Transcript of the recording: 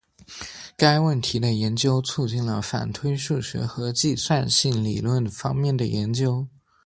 该问题的研究促进了反推数学和计算性理论方面的研究。